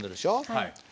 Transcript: はい。